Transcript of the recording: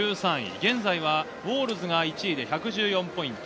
現在ウォールズが１位で１１４ポイント。